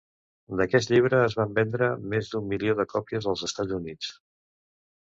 D'aquest llibre es van vendre més d'un milió de còpies als Estats Units.